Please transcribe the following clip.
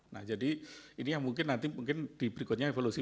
nah jadi ini yang mungkin nanti mungkin di berikutnya evolusi